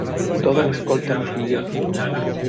toda la escolta me siguió.